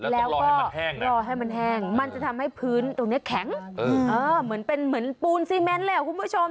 แล้วก็รอให้มันแห้งมันจะทำให้พื้นตรงนี้แข็งเหมือนเป็นเหมือนปูนซีเมนเลยคุณผู้ชม